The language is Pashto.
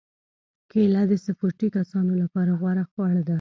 کېله د سپورتي کسانو لپاره غوره خواړه ده.